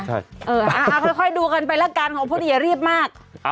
ใช่เออค่อยดูกันไปละกันของพวกเนี่ยเรียบมาก